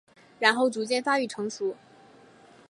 然后逐渐发育成熟。